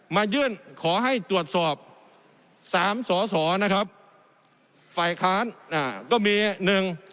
มายื่นขอให้ตรวจสอบสามสอสอนะครับฝ่ายค้านอ่าก็มีหนึ่ง